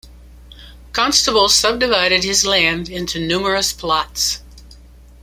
Constable subdivided his land into numerous plots.